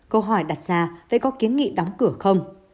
câu hỏi đặt ra lại có kiến nghị đóng cửa không